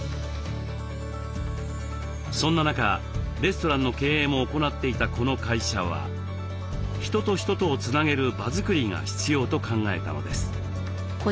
そんな中レストランの経営も行っていたこの会社は人と人とをつなげる場作りが必要と考えたのです。